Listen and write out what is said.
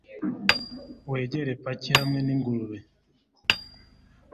wegere paki hamwe ningurube